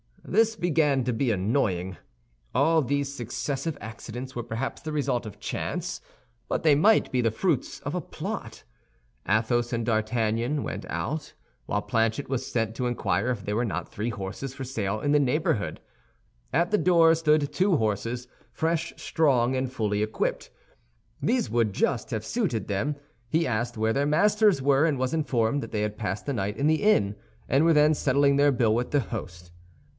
This began to be annoying. All these successive accidents were perhaps the result of chance; but they might be the fruits of a plot. Athos and D'Artagnan went out, while Planchet was sent to inquire if there were not three horses for sale in the neighborhood. At the door stood two horses, fresh, strong, and fully equipped. These would just have suited them. He asked where their masters were, and was informed that they had passed the night in the inn, and were then settling their bill with the host.